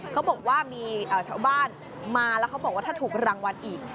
เขาบอกว่ามีชาวบ้านมาแล้วเขาบอกว่าถ้าถูกรางวัลอีก